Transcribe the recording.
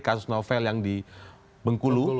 kasus novel yang di bengkulu